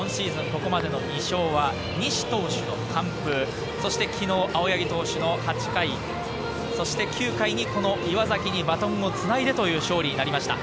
ここまでの２勝は西投手の完封、そして昨日、青柳投手の８回、そして９回に岩崎にバトンをつないでという勝利になりました。